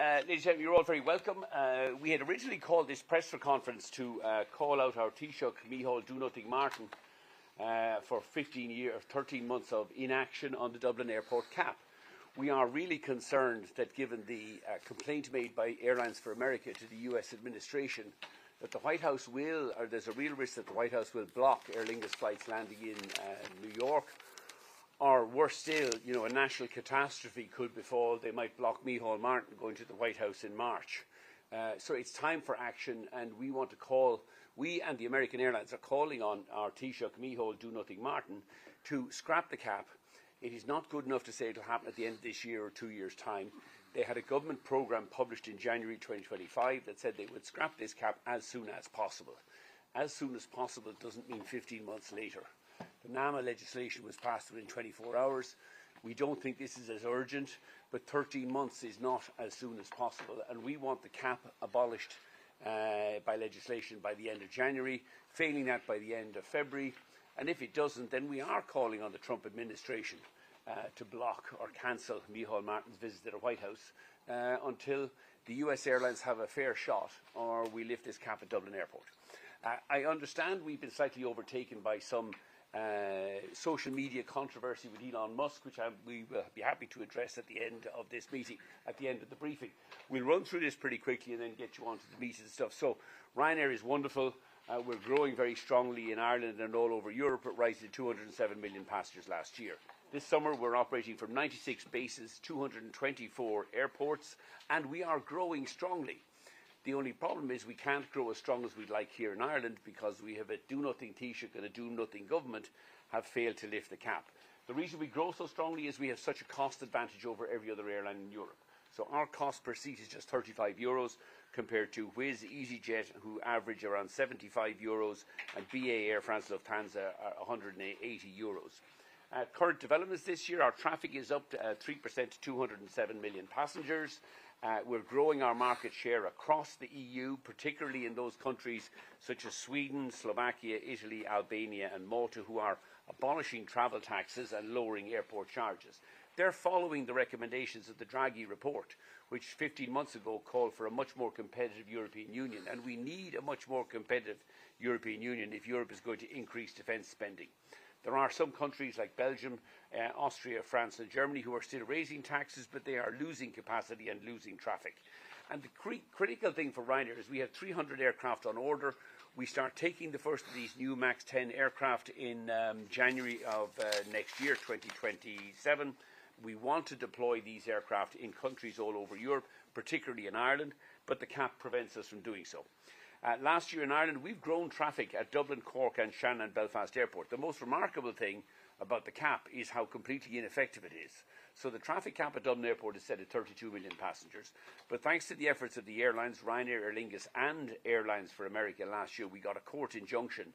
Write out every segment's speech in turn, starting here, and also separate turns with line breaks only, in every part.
Ladies and gentlemen, you're all very welcome. We had originally called this press conference to call out our Taoiseach, Micheál Martin, for 15 years, 13 months of inaction on the Dublin Airport cap. We are really concerned that given the complaint made by Airlines for America to the U.S. administration that the White House will, or there's a real risk that the White House will block Aer Lingus flights landing in New York, or worse still, a national catastrophe could befall. They might block Micheál Martin going to the White House in March. It is time for action, and we want to call, we and the American Airlines are calling on our Taoiseach, Micheál Martin, to scrap the cap. It is not good enough to say it'll happen at the end of this year or two years' time.
They had a government program published in January 2025 that said they would scrap this cap as soon as possible. As soon as possible does not mean 15 months later. The NAMA legislation was passed within 24 hours. We do not think this is as urgent, but 13 months is not as soon as possible, and we want the cap abolished by legislation by the end of January, failing that by the end of February. If it does not, then we are calling on the Trump administration to block or cancel Micheál Martin's visit to the White House until the US airlines have a fair shot or we lift this cap at Dublin Airport. I understand we have been slightly overtaken by some social media controversy with Elon Musk, which we will be happy to address at the end of this meeting, at the end of the briefing. We'll run through this pretty quickly and then get you onto the meeting and stuff. Ryanair is wonderful. We're growing very strongly in Ireland and all over Europe. It rose to 207 million passengers last year. This summer, we're operating from 96 bases, 224 airports, and we are growing strongly. The only problem is we can't grow as strong as we'd like here in Ireland because we have a Do-Nothing Taoiseach and a Do-Nothing government have failed to lift the cap. The reason we grow so strongly is we have such a cost advantage over every other airline in Europe. Our cost per seat is just 35 euros compared to Wizz, EasyJet, who average around 75 euros, and BA, Air France, Lufthansa, 180 euros. Current developments this year, our traffic is up 3% to 207 million passengers. We're growing our market share across the EU, particularly in those countries such as Sweden, Slovakia, Italy, Albania, and Malta, who are abolishing travel taxes and lowering airport charges. They're following the recommendations of the Draghi report, which 15 months ago called for a much more competitive European Union, and we need a much more competitive European Union if Europe is going to increase defense spending. There are some countries like Belgium, Austria, France, and Germany who are still raising taxes, but they are losing capacity and losing traffic. The critical thing for Ryanair is we have 300 aircraft on order. We start taking the first of these new MAX 10 aircraft in January of next year, 2027. We want to deploy these aircraft in countries all over Europe, particularly in Ireland, but the cap prevents us from doing so. Last year in Ireland, we've grown traffic at Dublin, Cork, and Shannon, Belfast Airport. The most remarkable thing about the cap is how completely ineffective it is. The traffic cap at Dublin Airport is set at 32 million passengers. Thanks to the efforts of the airlines, Ryanair, Aer Lingus, and Airlines for America last year, we got a court injunction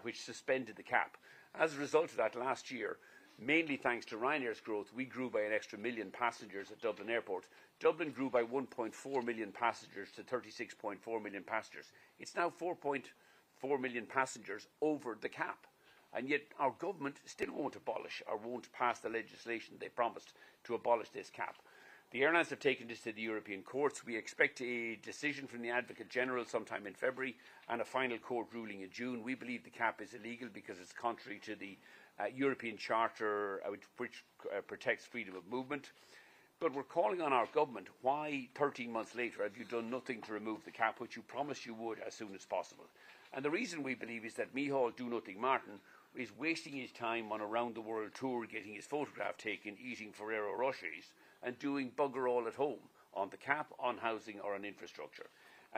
which suspended the cap. As a result of that last year, mainly thanks to Ryanair's growth, we grew by an extra million passengers at Dublin Airport. Dublin grew by 1.4 million passengers to 36.4 million passengers. It is now 4.4 million passengers over the cap, and yet our government still won't abolish or won't pass the legislation they promised to abolish this cap. The airlines have taken this to the European courts. We expect a decision from the Advocate General sometime in February and a final court ruling in June. We believe the cap is illegal because it's contrary to the European Charter, which protects freedom of movement. We're calling on our government, why 13 months later have you done nothing to remove the cap, which you promised you would as soon as possible? The reason we believe is that Micheál Martin is wasting his time on a round-the-world tour, getting his photograph taken, eating Ferrero Rochers, and doing bugger all at home on the cap, on housing, or on infrastructure.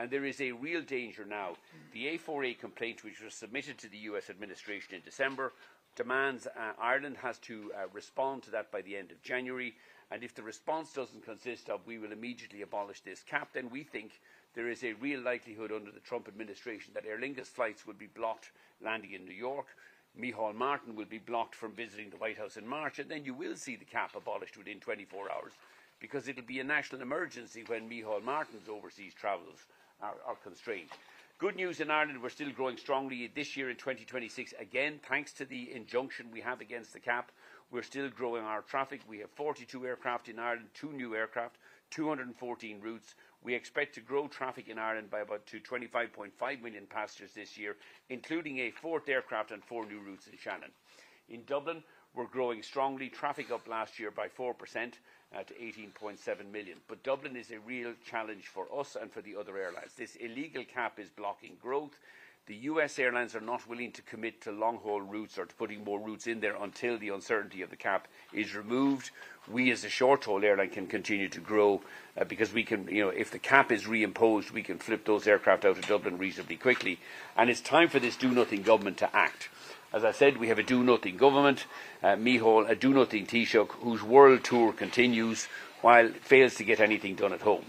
There is a real danger now. The A4A complaint, which was submitted to the U.S. administration in December, demands Ireland has to respond to that by the end of January. If the response does not consist of, "We will immediately abolish this cap," we think there is a real likelihood under the Trump administration that Aer Lingus flights would be blocked landing in New York, Micheál Martin would be blocked from visiting the White House in March, and you will see the cap abolished within 24 hours because it will be a national emergency when Micheál Martin's overseas travels are constrained. Good news in Ireland, we are still growing strongly this year in 2026. Again, thanks to the injunction we have against the cap, we are still growing our traffic. We have 42 aircraft in Ireland, two new aircraft, 214 routes. We expect to grow traffic in Ireland by about 25.5 million passengers this year, including a fourth aircraft and four new routes in Shannon. In Dublin, we are growing strongly. Traffic up last year by 4% to 18.7 million. Dublin is a real challenge for us and for the other airlines. This illegal cap is blocking growth. The U.S. airlines are not willing to commit to long-haul routes or to putting more routes in there until the uncertainty of the cap is removed. We, as a short-haul airline, can continue to grow because we can, you know, if the cap is reimposed, we can flip those aircraft out of Dublin reasonably quickly. It is time for this Do-Nothing government to act. As I said, we have a Do-Nothing government, Micheál, a Do-Nothing Taoiseach whose world tour continues while it fails to get anything done at home.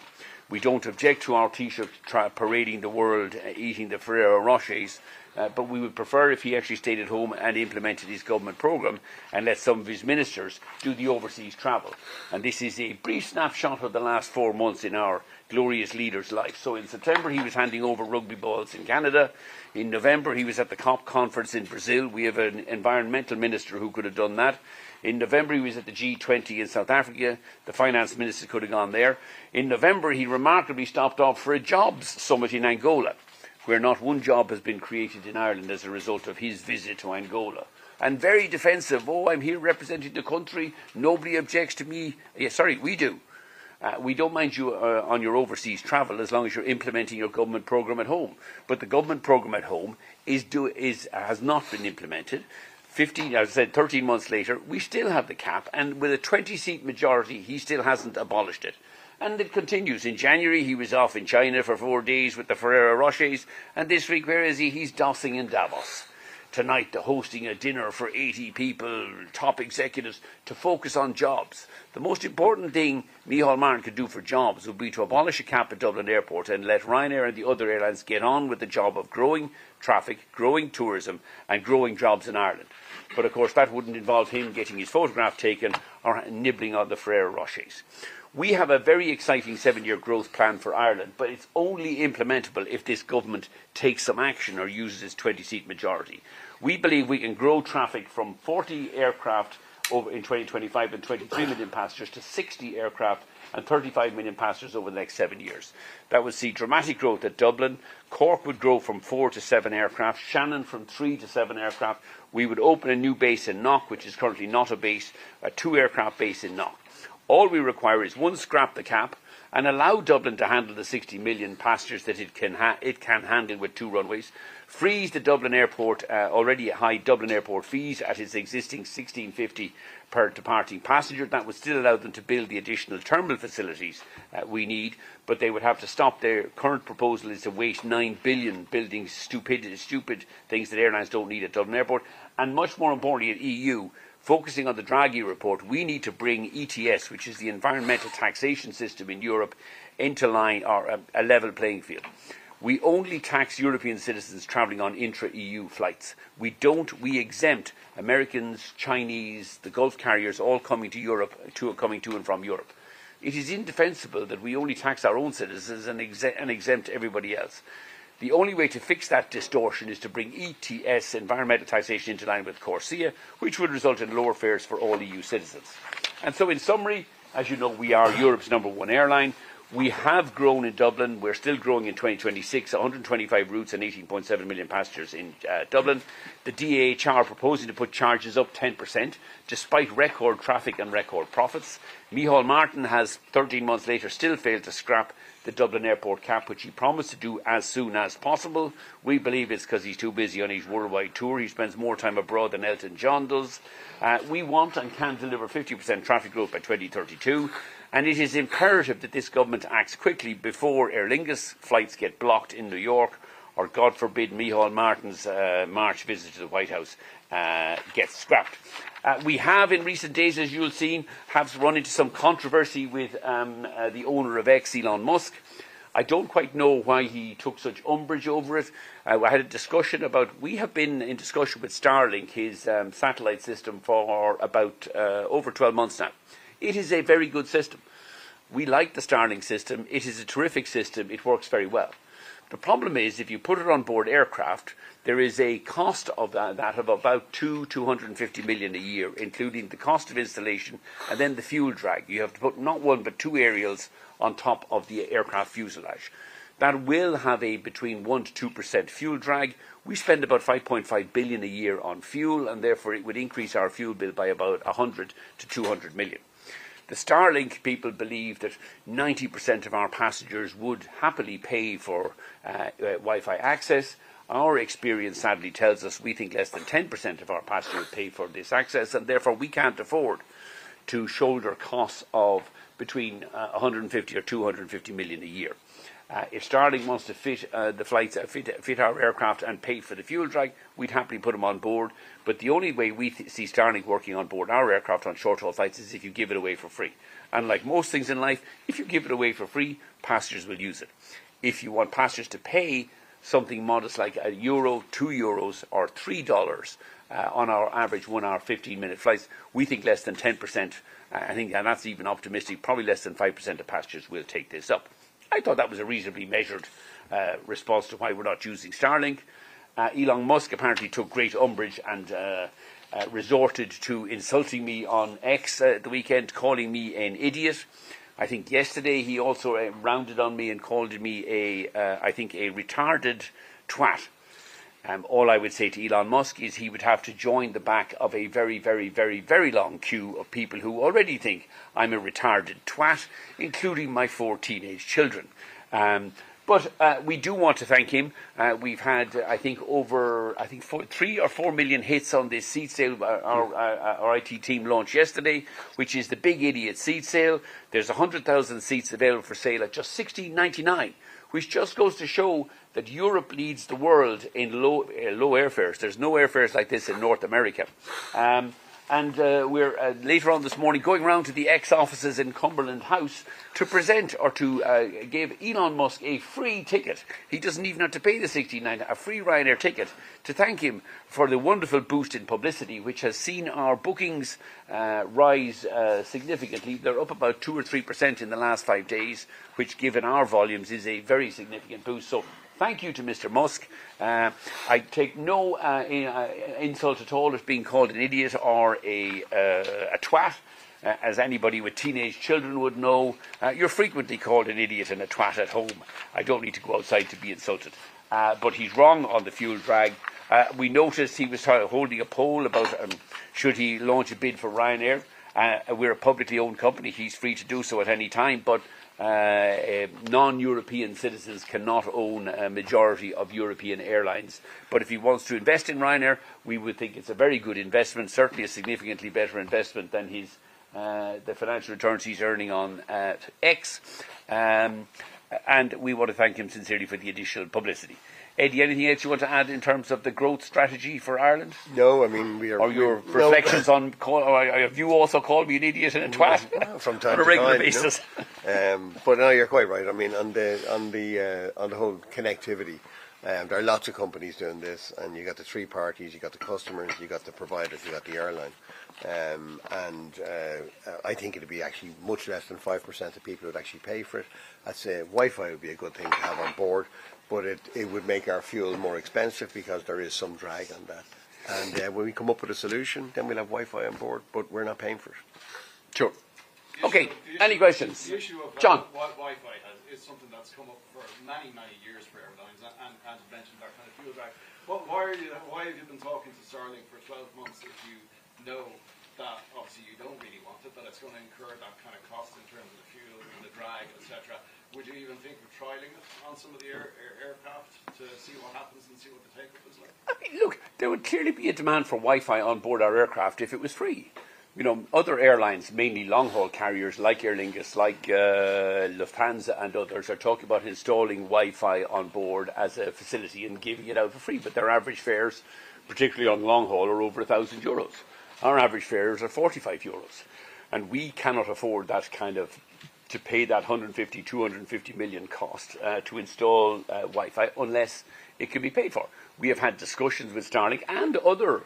We do not object to our Taoiseach parading the world, eating the Ferrero Rochers, but we would prefer if he actually stayed at home and implemented his government program and let some of his ministers do the overseas travel. This is a brief snapshot of the last four months in our glorious leader's life. In September, he was handing over rugby balls in Canada. In November, he was at the COP conference in Brazil. We have an environmental minister who could have done that. In November, he was at the G20 in South Africa. The finance minister could have gone there. In November, he remarkably stopped off for a jobs summit in Angola, where not one job has been created in Ireland as a result of his visit to Angola. Very defensive, "Oh, I'm here representing the country. Nobody objects to me." Yeah, sorry, we do. We don't mind you on your overseas travel as long as you're implementing your government program at home. The government program at home has not been implemented. 15 months, as I said, 13 months later, we still have the cap, and with a 20-seat majority, he still hasn't abolished it. It continues. In January, he was off in China for four days with the Ferrero Rochers, and this week, where is he? He's dossing in Davos. Tonight, they're hosting a dinner for 80 people, top executives to focus on jobs. The most important thing Micheál Martin could do for jobs would be to abolish a cap at Dublin Airport and let Ryanair and the other airlines get on with the job of growing traffic, growing tourism, and growing jobs in Ireland. Of course, that wouldn't involve him getting his photograph taken or nibbling on the Ferrero Rochers. We have a very exciting seven-year growth plan for Ireland, but it's only implementable if this government takes some action or uses its 20-seat majority. We believe we can grow traffic from 40 aircraft in 2025 and 23 million passengers to 60 aircraft and 35 million passengers over the next seven years. That would see dramatic growth at Dublin. Cork would grow from four to seven aircraft. Shannon, from three to seven aircraft. We would open a new base in Knock, which is currently not a base, a two-aircraft base in Knock. All we require is, one, scrap the cap and allow Dublin to handle the 60 million passengers that it can handle with two runways, freeze the Dublin Airport already at high Dublin Airport fees at its existing 16.50 per departing passenger. That would still allow them to build the additional terminal facilities we need, but they would have to stop their current proposal to waste 9 billion building stupid things that airlines don't need at Dublin Airport. Much more importantly, at EU, focusing on the Draghi report, we need to bring ETS, which is the environmental taxation system in Europe, into line or a level playing field. We only tax European citizens traveling on intra-EU flights. We don't, we exempt Americans, Chinese, the Gulf carriers all coming to Europe, coming to and from Europe. It is indefensible that we only tax our own citizens and exempt everybody else. The only way to fix that distortion is to bring ETS, environmental taxation, into line with CORSIA, which would result in lower fares for all EU citizens. In summary, as you know, we are Europe's number one airline. We have grown in Dublin. We're still growing in 2026, 125 routes and 18.7 million passengers in Dublin. The DAA are proposing to put charges up 10% despite record traffic and record profits. Micheál Martin has 13 months later still failed to scrap the Dublin Airport cap, which he promised to do as soon as possible. We believe it's because he's too busy on his worldwide tour. He spends more time abroad than Elton John does. We want and can deliver 50% traffic growth by 2032, and it is imperative that this government acts quickly before Aer Lingus flights get blocked in New York or, God forbid, Micheál Martin's March visit to the White House gets scrapped. We have, in recent days, as you'll see, run into some controversy with the owner of X, Elon Musk. I don't quite know why he took such umbrage over it. I had a discussion about, we have been in discussion with Starlink, his satellite system, for about over 12 months now. It is a very good system. We like the Starlink system. It is a terrific system. It works very well. The problem is, if you put it on board aircraft, there is a cost of that of about 250 million a year, including the cost of installation and then the fuel drag. You have to put not one, but two aerials on top of the aircraft fuselage. That will have a between 1%-2% fuel drag. We spend about 5.5 billion a year on fuel, and therefore it would increase our fuel bill by about 100-200 million. The Starlink people believe that 90% of our passengers would happily pay for Wi-Fi access. Our experience, sadly, tells us we think less than 10% of our passengers would pay for this access, and therefore we can't afford to shoulder costs of between 150 million or 250 million a year. If Starlink wants to fit the flights, fit our aircraft and pay for the fuel drag, we'd happily put them on board. The only way we see Starlink working on board our aircraft on short-haul flights is if you give it away for free. Like most things in life, if you give it away for free, passengers will use it. If you want passengers to pay something modest like EUR 1, 2 euros, or $3 on our average one-hour, 15-minute flights, we think less than 10%, I think, and that's even optimistic, probably less than 5% of passengers will take this up. I thought that was a reasonably measured response to why we're not using Starlink. Elon Musk apparently took great umbrage and resorted to insulting me on X at the weekend, calling me an idiot. I think yesterday he also rounded on me and called me a, I think, a retarded twat. All I would say to Elon Musk is he would have to join the back of a very, very, very, very long queue of people who already think I'm a retarded twat, including my four teenage children. We do want to thank him. We've had, I think, over, I think, three or four million hits on this seat sale our IT team launched yesterday, which is the Big Idiot Seat Sale. There's 100,000 seats available for sale at just 16.99, which just goes to show that Europe leads the world in low airfares. There's no airfares like this in North America. We're later on this morning going around to the X offices in Cumberland House to present or to give Elon Musk a free ticket. He doesn't even have to pay the 16.99, a free Ryanair ticket to thank him for the wonderful boost in publicity, which has seen our bookings rise significantly. They're up about 2%-3% in the last five days, which, given our volumes, is a very significant boost. Thank you to Mr. Musk. I take no insult at all of being called an idiot or a twat, as anybody with teenage children would know. You're frequently called an idiot and a twat at home. I don't need to go outside to be insulted. He's wrong on the fuel drag. We noticed he was holding a poll about should he launch a bid for Ryanair. We're a publicly owned company. He's free to do so at any time, but non-European citizens cannot own a majority of European airlines. If he wants to invest in Ryanair, we would think it's a very good investment, certainly a significantly better investment than the financial returns he's earning on X. We want to thank him sincerely for the additional publicity. Eddie, anything else you want to add in terms of the growth strategy for Ireland? No, I mean, we are quite well.
Or your reflections on, have you also called me an idiot and a twat?
Sometimes.
On a regular basis.
No, you're quite right. I mean, on the whole connectivity, there are lots of companies doing this, and you've got the three parties, you've got the customers, you've got the providers, you've got the airline. I think it'd be actually much less than 5% of people would actually pay for it. I'd say Wi-Fi would be a good thing to have on board, but it would make our fuel more expensive because there is some drag on that. When we come up with a solution, then we'll have Wi-Fi on board, but we're not paying for it.
Sure. Okay. Any questions? John.
What Wi-Fi has is something that's come up for many, many years for airlines and has mentioned that kind of fuel drag. Why have you been talking to Starlink for 12 months if you know that obviously you don't really want it, but it's going to incur that kind of cost in terms of the fuel and the drag, etc.? Would you even think of trialing it on some of the aircraft to see what happens and see what the takeoff is like?
Look, there would clearly be a demand for Wi-Fi on board our aircraft if it was free. You know, other airlines, mainly long-haul carriers like Aer Lingus, like Lufthansa and others, are talking about installing Wi-Fi on board as a facility and giving it out for free, but their average fares, particularly on long-haul, are over 1,000 euros. Our average fares are 45 euros. We cannot afford that kind of to pay that 150-250 million cost to install Wi-Fi unless it can be paid for. We have had discussions with Starlink and other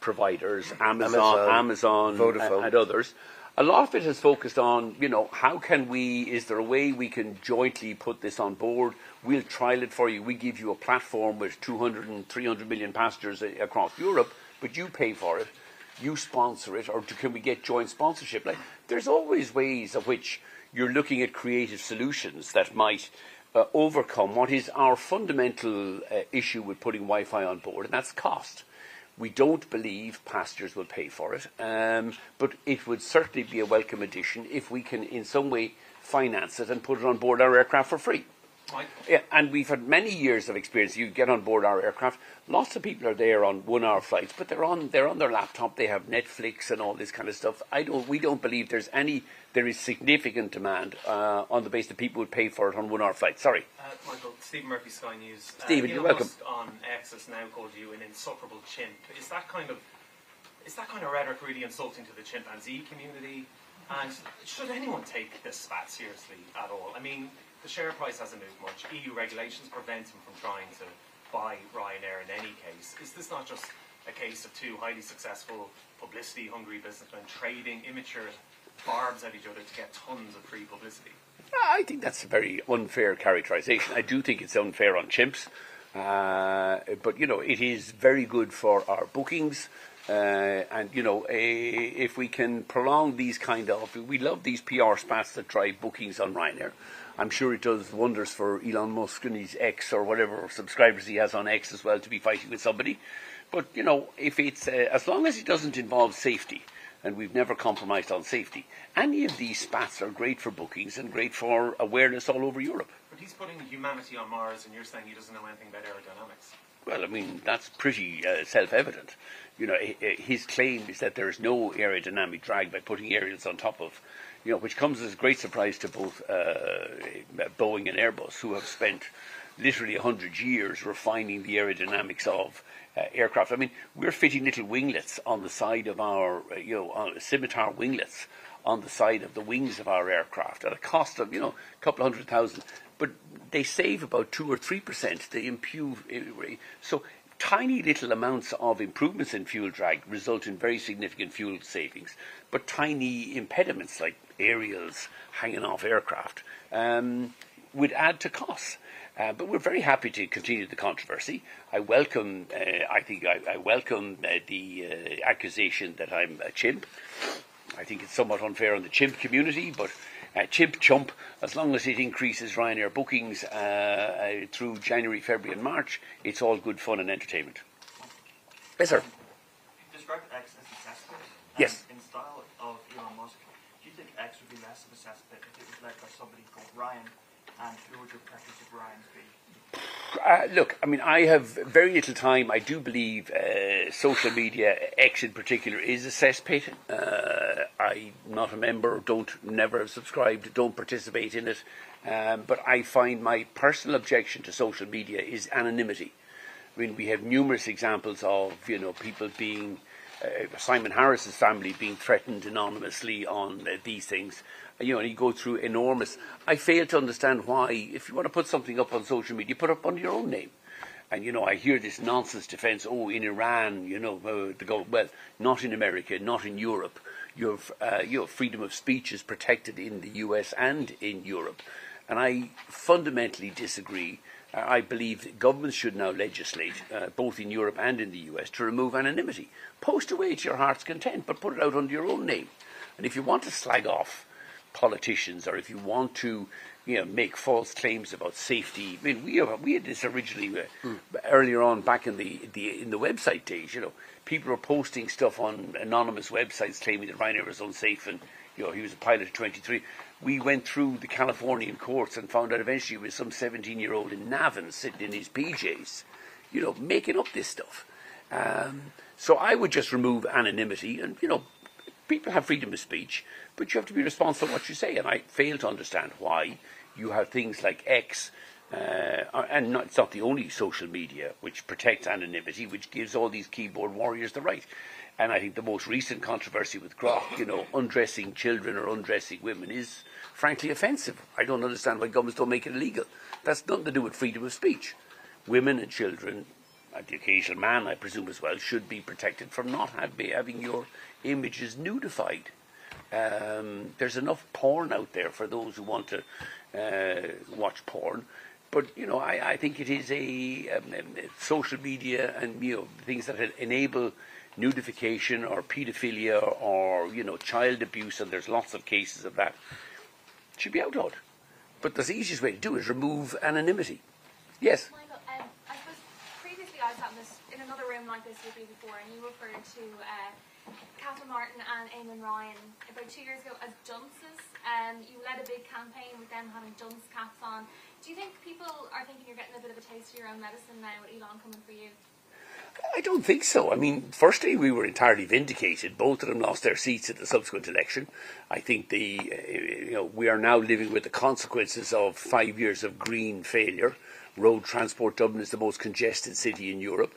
providers, Amazon.
Amazon.
Vodafone and others. A lot of it has focused on, you know, how can we, is there a way we can jointly put this on board? We will trial it for you. We give you a platform with 200 million-300 million passengers across Europe, but you pay for it. You sponsor it, or can we get joint sponsorship? There are always ways in which you are looking at creative solutions that might overcome what is our fundamental issue with putting Wi-Fi on board, and that is cost. We do not believe passengers will pay for it, but it would certainly be a welcome addition if we can in some way finance it and put it on board our aircraft for free. We have had many years of experience. You get on board our aircraft. Lots of people are there on one-hour flights, but they are on their laptop.
They have Netflix and all this kind of stuff. We do not believe there is any significant demand on the basis that people would pay for it on one-hour flights. Sorry.
Michael, Stephen Murphy, Sky News.
Stephen, you're welcome.
Post on X has now called you an insufferable chimp. Is that kind of rhetoric really insulting to the chimpanzee community? Should anyone take this fat seriously at all? I mean, the share price hasn't moved much. EU regulations prevent him from trying to buy Ryanair in any case. Is this not just a case of two highly successful publicity-hungry businessmen trading immature barbs at each other to get tons of free publicity?
I think that's a very unfair characterization. I do think it's unfair on chimps. You know, it is very good for our bookings. You know, if we can prolong these kind of, we love these PR spats that drive bookings on Ryanair. I'm sure it does wonders for Elon Musk and his X or whatever subscribers he has on X as well to be fighting with somebody. You know, if it's, as long as it doesn't involve safety, and we've never compromised on safety, any of these spats are great for bookings and great for awareness all over Europe.
He's putting humanity on Mars, and you're saying he doesn't know anything about aerodynamics.
I mean, that's pretty self-evident. You know, his claim is that there is no aerodynamic drag by putting aerials on top of, you know, which comes as a great surprise to both Boeing and Airbus, who have spent literally 100 years refining the aerodynamics of aircraft. I mean, we're fitting little winglets on the side of our, you know, Scimitar winglets on the side of the wings of our aircraft at a cost of, you know, a couple 100,000. They save about 2%-3%. They improve. Tiny little amounts of improvements in fuel drag result in very significant fuel savings. Tiny impediments like aerials hanging off aircraft would add to costs. We're very happy to continue the controversy. I welcome, I think I welcome the accusation that I'm a chimp.
I think it's somewhat unfair on the chimp community, but chimp chump, as long as it increases Ryanair bookings through January, February, and March, it's all good fun and entertainment. Yes, sir.
If you describe X as a cesspit, in style of Elon Musk, do you think X would be less of a cesspit if it was led by somebody called Ryan and who would your preferred Ryan be?
Look, I mean, I have very little time. I do believe social media, X in particular, is a cesspit. I'm not a member, don't never have subscribed, don't participate in it. I find my personal objection to social media is anonymity. I mean, we have numerous examples of, you know, people being, Simon Harris's family being threatened anonymously on these things. You know, and you go through enormous. I fail to understand why, if you want to put something up on social media, you put it up under your own name. You know, I hear this nonsense defense, oh, in Iran, you know, not in America, not in Europe. Your freedom of speech is protected in the U.S. and in Europe. I fundamentally disagree. I believe governments should now legislate, both in Europe and in the U.S., to remove anonymity.
Post away to your heart's content, but put it out under your own name. If you want to slag off politicians or if you want to, you know, make false claims about safety, I mean, we had this originally, earlier on, back in the website days, you know, people were posting stuff on anonymous websites claiming that Ryanair was unsafe and, you know, he was a pilot of 23. We went through the California courts and found out eventually it was some 17-year-old in Navan sitting in his PJs, you know, making up this stuff. I would just remove anonymity and, you know, people have freedom of speech, but you have to be responsible for what you say. I fail to understand why you have things like X, and it's not the only social media which protects anonymity, which gives all these keyboard warriors the right. I think the most recent controversy with Grok, you know, undressing children or undressing women is frankly offensive. I don't understand why governments don't make it illegal. That's nothing to do with freedom of speech. Women and children, the occasional man, I presume as well, should be protected from not having your images nudified. There's enough porn out there for those who want to watch porn. You know, I think it is a social media and, you know, things that enable nudification or pedophilia or, you know, child abuse, and there's lots of cases of that should be outlawed. The easiest way to do it is remove anonymity. Yes.
Michael, I was previously out on this in another room like this with you before, and you referred to Catherine Martin and Eamon Ryan about two years ago as dunces. You led a big campaign with them having Dunce caps on. Do you think people are thinking you're getting a bit of a taste of your own medicine now with Elon coming for you?
I don't think so. I mean, firstly, we were entirely vindicated. Both of them lost their seats at the subsequent election. I think the, you know, we are now living with the consequences of five years of green failure. Road transport Dublin is the most congested city in Europe.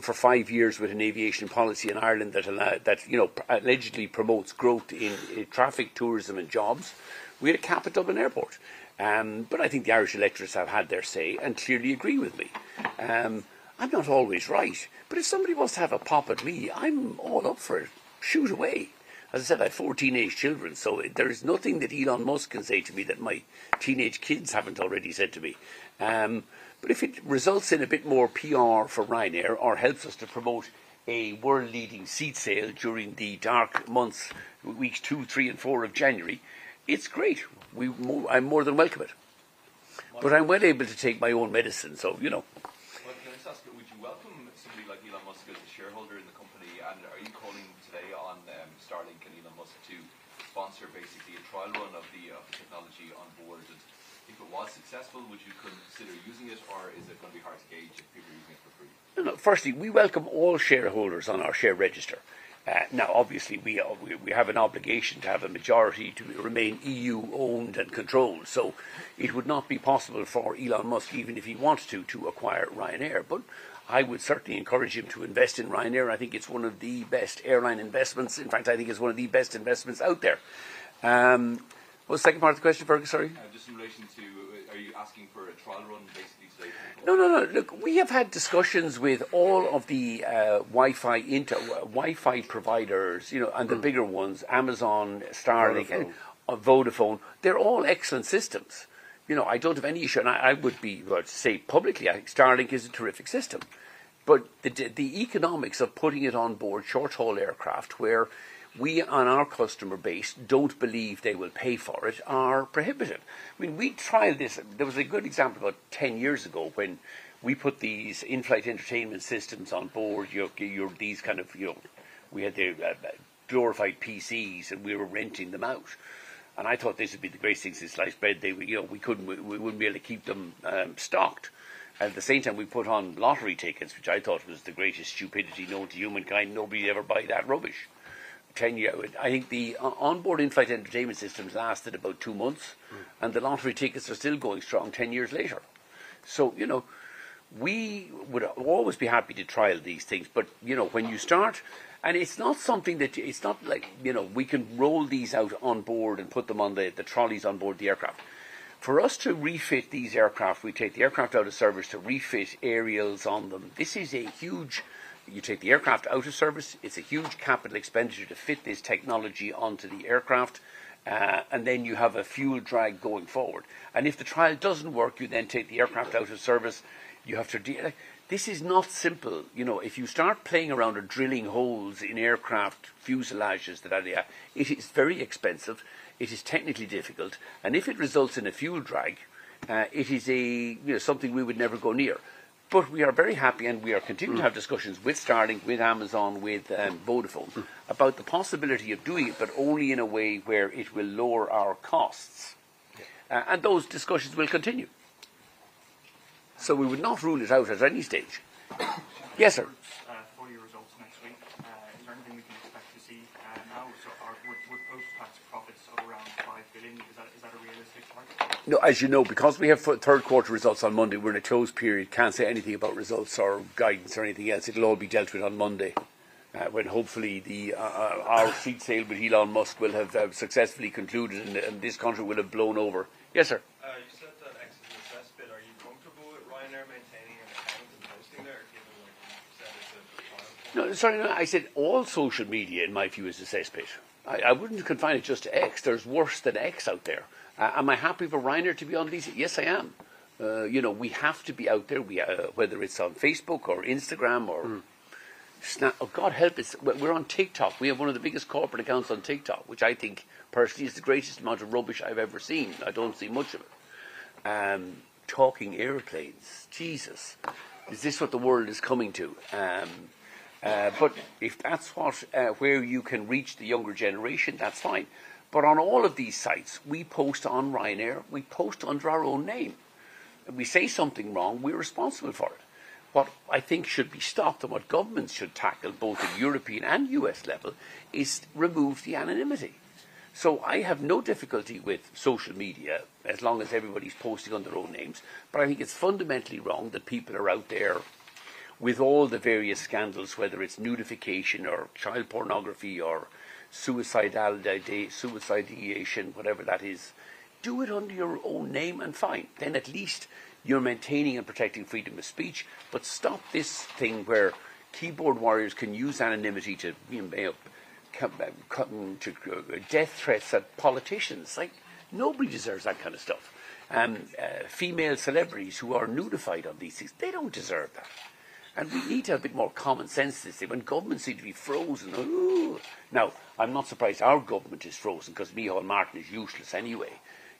For five years with an aviation policy in Ireland that, you know, allegedly promotes growth in traffic, tourism, and jobs, we had a cap at Dublin Airport. I think the Irish electorates have had their say and clearly agree with me. I'm not always right, but if somebody wants to have a pop at me, I'm all up for it. Shoot away. As I said, I have 14-ish children, so there is nothing that Elon Musk can say to me that my teenage kids haven't already said to me.
If it results in a bit more PR for Ryanair or helps us to promote a world-leading seed sale during the dark months, weeks two, three, and four of January, it's great. I more than welcome it. I'm well able to take my own medicine, so, you know.
Let me just ask you, would you welcome somebody like Elon Musk as a shareholder in the company? Would you call today on Starlink and Elon Musk to sponsor basically a trial run of the technology on board? If it was successful, would you consider using it, or is it going to be hard to gauge if people are using it for free?
Look, firstly, we welcome all shareholders on our share register. Now, obviously, we have an obligation to have a majority to remain EU-owned and controlled. It would not be possible for Elon Musk, even if he wants to, to acquire Ryanair. I would certainly encourage him to invest in Ryanair. I think it's one of the best airline investments. In fact, I think it's one of the best investments out there. What's the second part of the question, Fergus? Sorry.
Just in relation to, are you asking for a trial run basically today?
No, no, no. Look, we have had discussions with all of the Wi-Fi providers, you know, and the bigger ones, Amazon, Starlink, Vodafone. They're all excellent systems. You know, I don't have any issue. I would be about to say publicly, I think Starlink is a terrific system. The economics of putting it on board short-haul aircraft where we on our customer base don't believe they will pay for it are prohibitive. I mean, we tried this. There was a good example about 10 years ago when we put these in-flight entertainment systems on board, these kind of, you know, we had the glorified PCs and we were renting them out. I thought this would be the greatest thing since sliced bread. You know, we wouldn't be able to keep them stocked.
At the same time, we put on lottery tickets, which I thought was the greatest stupidity known to humankind. Nobody would ever buy that rubbish. I think the onboard in-flight entertainment systems lasted about two months, and the lottery tickets are still going strong 10 years later. You know, we would always be happy to trial these things. You know, when you start, and it's not something that, it's not like, you know, we can roll these out on board and put them on the trolleys on board the aircraft. For us to refit these aircraft, we take the aircraft out of service to refit aerials on them. This is a huge, you take the aircraft out of service. It's a huge capital expenditure to fit this technology onto the aircraft. You have a fuel drag going forward. If the trial does not work, you then take the aircraft out of service. You have to, this is not simple. You know, if you start playing around or drilling holes in aircraft fuselages that are there, it is very expensive. It is technically difficult. If it results in a fuel drag, it is a, you know, something we would never go near. We are very happy and we are continuing to have discussions with Starlink, with Amazon, with Vodafone about the possibility of doing it, but only in a way where it will lower our costs. Those discussions will continue. We would not rule it out at any stage. Yes, sir.
For your results next week, is there anything we can expect to see now? Would post-tax profits go around EUR 5 billion? Is that a realistic target?
No, as you know, because we have third quarter results on Monday, we're in a closed period. Can't say anything about results or guidance or anything else. It'll all be dealt with on Monday when hopefully our seat sale with Elon Musk will have successfully concluded and this contract will have blown over. Yes, sir.
You said that X is a cesspit. Are you comfortable with Ryanair maintaining an account and posting there or giving away? You said it's a private one.
No, sorry, no. I said all social media in my view is a cesspit. I wouldn't confine it just to X. There's worse than X out there. Am I happy for Ryanair to be on these? Yes, I am. You know, we have to be out there, whether it's on Facebook or Instagram or God help us. We're on TikTok. We have one of the biggest corporate accounts on TikTok, which I think personally is the greatest amount of rubbish I've ever seen. I don't see much of it. Talking airplanes, Jesus. Is this what the world is coming to? If that's where you can reach the younger generation, that's fine. On all of these sites, we post on Ryanair. We post under our own name. If we say something wrong, we're responsible for it.
What I think should be stopped and what governments should tackle, both at European and US level, is remove the anonymity. I have no difficulty with social media as long as everybody's posting under their own names. I think it's fundamentally wrong that people are out there with all the various scandals, whether it's nudification or child pornography or suicidal ideation, whatever that is. Do it under your own name and fine. At least you're maintaining and protecting freedom of speech. Stop this thing where keyboard warriors can use anonymity to cut into death threats at politicians. Like nobody deserves that kind of stuff. Female celebrities who are nudified on these things, they don't deserve that. We need to have a bit more common sense this day. When governments need to be frozen, ooh. Now, I'm not surprised our government is frozen because Micheál Martin is useless anyway.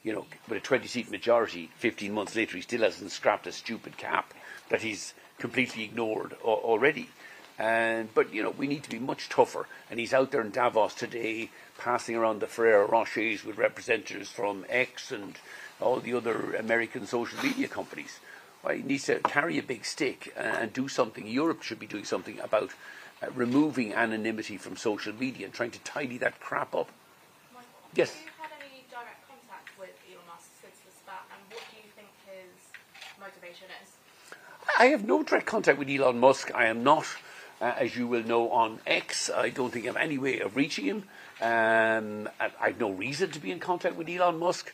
You know, with a 20-seat majority, 15 months later, he still hasn't scrapped a stupid cap that he's completely ignored already. You know, we need to be much tougher. He's out there in Davos today passing around the Ferrero Rochers with representatives from X and all the other American social media companies. He needs to carry a big stick and do something. Europe should be doing something about removing anonymity from social media and trying to tidy that crap up.
Michael.
Yes.
Have you had any direct contact with Elon Musk since the spat? What do you think his motivation is?
I have no direct contact with Elon Musk. I am not, as you will know, on X. I do not think I have any way of reaching him. I have no reason to be in contact with Elon Musk.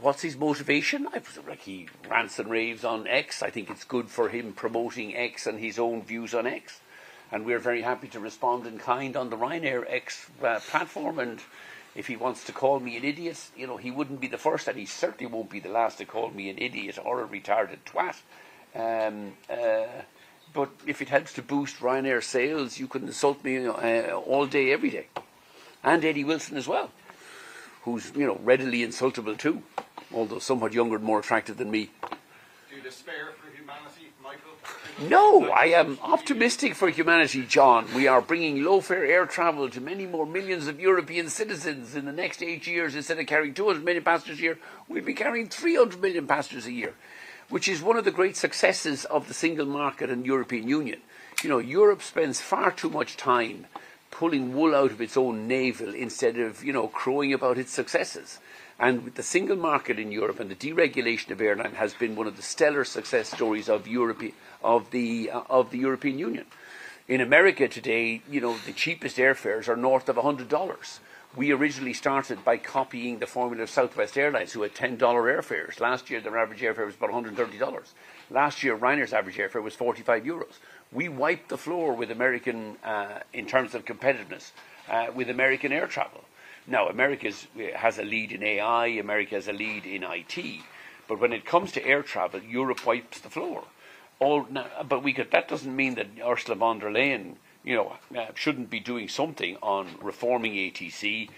What is his motivation? I feel like he rants and raves on X. I think it is good for him promoting X and his own views on X. We are very happy to respond in kind on the Ryanair X platform. If he wants to call me an idiot, you know, he would not be the first, and he certainly will not be the last to call me an idiot or a retarded twat. If it helps to boost Ryanair sales, you can insult me all day, every day. Eddie Wilson as well, who is, you know, readily insultable too, although somewhat younger and more attractive than me.
Do you despair for humanity, Michael?
No, I am optimistic for humanity, John. We are bringing low-fare air travel to many more millions of European citizens in the next eight years. Instead of carrying 200 million passengers a year, we'll be carrying 300 million passengers a year, which is one of the great successes of the single market and European Union. You know, Europe spends far too much time pulling wool out of its own navel instead of, you know, crowing about its successes. The single market in Europe and the deregulation of airline has been one of the stellar success stories of the European Union. In America today, you know, the cheapest airfares are north of $100. We originally started by copying the formula of Southwest Airlines, who had $10 airfares. Last year, their average airfare was about $130. Last year, Ryanair's average airfare was 45 euros.
We wiped the floor in terms of competitiveness with American air travel. Now, America has a lead in AI. America has a lead in IT. When it comes to air travel, Europe wipes the floor. That does not mean that Ursula von der Leyen, you know, should not be doing something on reforming ATC,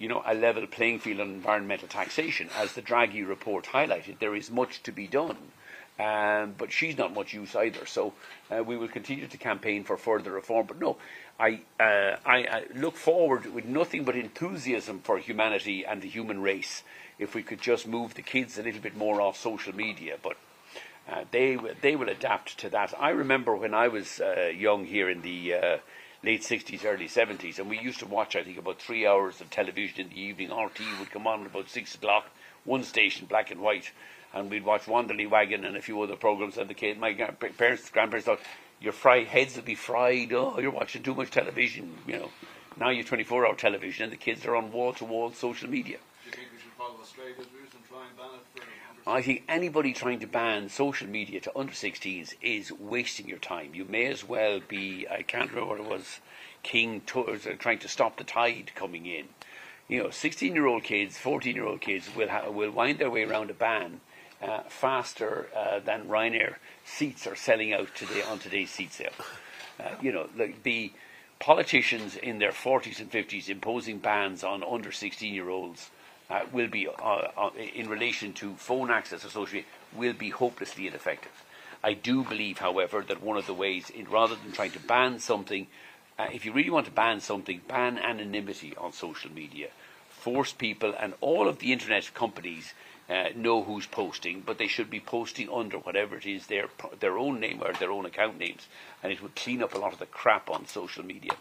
you know, a level playing field on environmental taxation. As the Draghi report highlighted, there is much to be done. She is not much use either. We will continue to campaign for further reform. No, I look forward with nothing but enthusiasm for humanity and the human race if we could just move the kids a little bit more off social media. They will adapt to that. I remember when I was young here in the late 1960s, early 1970s, and we used to watch, I think, about three hours of television in the evening. RTÉ would come on at about six o'clock, one station, black and white. We would watch Wanderly Wagon and a few other programs. My parents, grandparents thought, your heads will be fried. Oh, you're watching too much television, you know. Now you have 24-hour television, and the kids are on wall-to-wall social media.
Do you think we should follow Australia's rules and try and ban it for?
I think anybody trying to ban social media to under 16s is wasting your time. You may as well be, I can't remember what it was, trying to stop the tide coming in. You know, 16-year-old kids, 14-year-old kids will wind their way around a ban faster than Ryanair seats are selling out today on today's seat sale. You know, the politicians in their 40s and 50s imposing bans on under 16-year-olds will be, in relation to phone access or social media, will be hopelessly ineffective. I do believe, however, that one of the ways, rather than trying to ban something, if you really want to ban something, ban anonymity on social media. Force people and all of the internet companies know who's posting, but they should be posting under whatever it is, their own name or their own account names. It would clean up a lot of the crap on social media.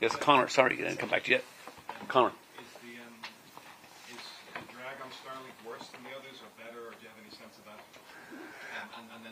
Is Conor?
Sorry, I didn't come back to you. Conor.
Is the drag on Starlink worse than the others or better? Or do you have any sense of that? I mean,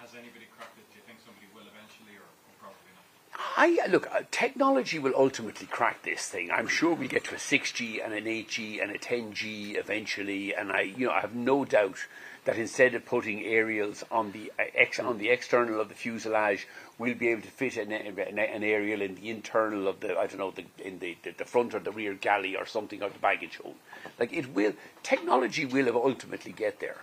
has anybody cracked it? Do you think somebody will eventually or probably not?
Look, technology will ultimately crack this thing. I'm sure we'll get to a 6G and an 8G and a 10G eventually. I, you know, I have no doubt that instead of putting aerials on the external of the fuselage, we'll be able to fit an aerial in the internal of the, I don't know, in the front or the rear galley or something of the baggage hold. Like it will, technology will ultimately get there.